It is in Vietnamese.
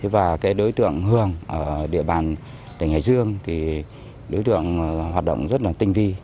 và cái đối tượng hường ở địa bàn tỉnh hải dương thì đối tượng hoạt động rất là tinh vi